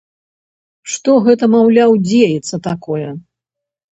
Што гэта маўляў дзеецца такое.